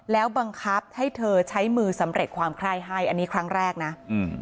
แล้วบังคับให้เธอใช้มือสำเร็จความไคร้ให้อันนี้ครั้งแรกนะอืม